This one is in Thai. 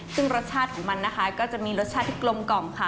ซึ่งรสชาติของมันนะคะก็จะมีรสชาติที่กลมกล่อมค่ะ